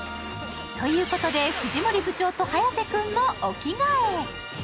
ということで藤森部長と颯君もお着替え。